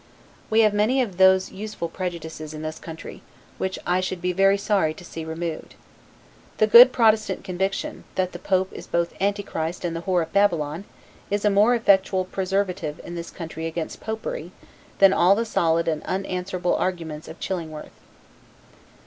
We have many of those useful prejudices in this country, which I should be very sorry to see removed. The good Protestant conviction, that the Pope is both Antichrist and the Whore of Babylon, is a more effectual preservative in this country against popery, than all the solid and unanswerable arguments of Chillingworth.